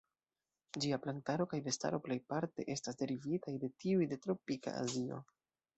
Ĝia plantaro kaj bestaro plejparte estas derivitaj de tiuj de tropika Azio.